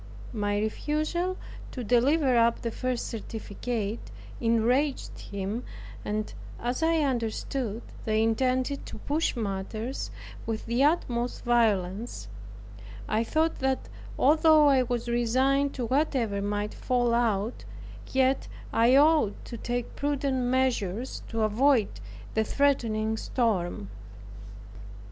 My refusal to deliver up the first certificate enraged him, and as I understood they intended to push matters with the utmost violence, "I thought that although I were resigned to whatever might fall out, yet I ought to take prudent measures to avoid the threatening storm."